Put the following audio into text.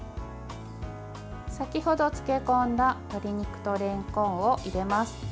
先ほど漬け込んだ豚肉とれんこんを入れます。